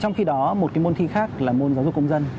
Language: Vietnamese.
trong khi đó một môn thi khác là môn giáo dục công dân